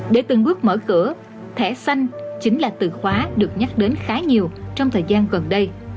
để từng bước mở cửa thẻ xanh chính là từ khóa được nhắc đến khá nhiều trong thời gian gần đây